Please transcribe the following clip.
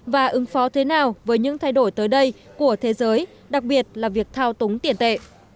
và ứng phó thế nào với những thay đổi tới đây của thế giới đặc biệt là việc thao túng tiền tệ